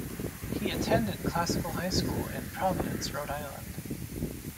He attended Classical High School in Providence, Rhode Island.